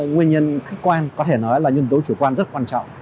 nguyên nhân khách quan có thể nói là nhân tố chủ quan rất quan trọng